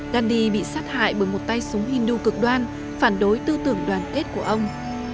gandhi bị sát hại bởi một tay súng hindu cực đoan phản đối tư tưởng đoàn kết của ông